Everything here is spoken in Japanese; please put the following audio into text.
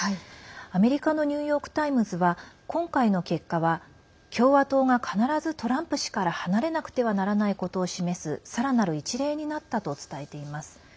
アメリカのニューヨーク・タイムズは今回の結果は共和党が必ずトランプ氏から離れなくてはならないことを示すさらなる一例になったと伝えています。